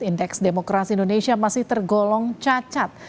indeks demokrasi indonesia masih tergolong cacat